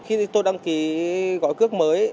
khi tôi đăng ký gói cước mới